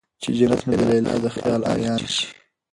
چې جنت مې د ليلا د خيال عيان شي